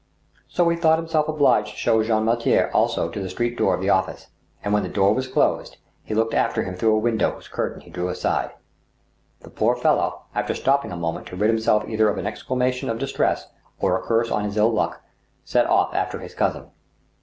So he thought himself obliged to show Jean Mortier also to the street door of the office, and when the door was closed he looked after him through a window whose curtain he drew aside. The poor fellow, after stopping a moment to rid himself either of an exclamation of distress or a curse on his ill luck, set off after his cousin.